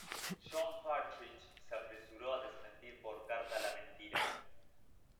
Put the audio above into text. John Partridge se apresuró a desmentir por carta la mentira.